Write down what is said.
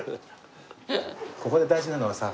ここで大事なのはさ